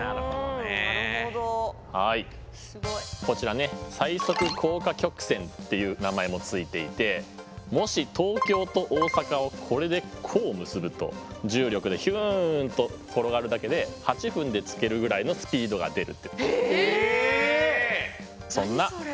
こちらね最速降下曲線っていう名前も付いていてもし東京と大阪をこれでこう結ぶと重力でひゅんと転がるだけで８分で着けるぐらいのスピードが出るって。